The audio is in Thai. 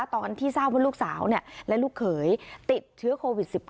ตอนที่ทราบว่าลูกสาวและลูกเขยติดเชื้อโควิด๑๙